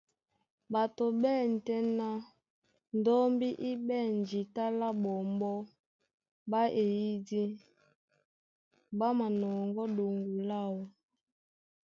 Ɓato ɓá ɛ̂n tɛ́ ná ndɔ́mbí í ɓɛ̂n jǐta lá ɓɔmbɔ́ ɓá eyìdí, ɓá manɔŋgɔ́ ɗoŋgo láō.